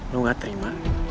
lu gak terima